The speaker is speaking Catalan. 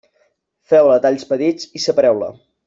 Feu-la a talls petits i separeu-la.